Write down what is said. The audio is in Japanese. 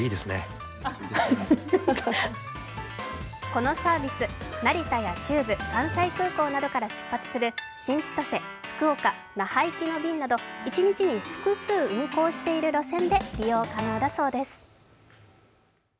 このサービス、成田や中部関西空港などから出発する新千歳、福岡、那覇行きの便など一日に複数運航している路線で利用可能だそうです。